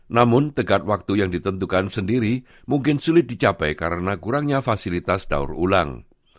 namun tegat waktu yang ditentukan sendiri mungkin sulit dicapai karena kurangnya fasilitas daur ulang